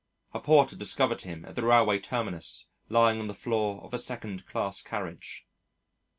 A porter discovered him at the railway terminus lying on the floor of a second class carriage.